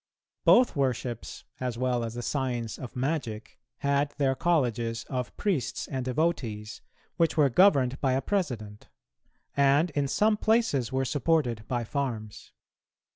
Both worships, as well as the Science of Magic, had their colleges of priests and devotees, which were governed by a president, and in some places were supported by farms.